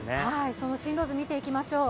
その進路図を見ていきましょう。